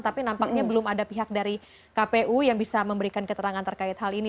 tapi nampaknya belum ada pihak dari kpu yang bisa memberikan keterangan terkait hal ini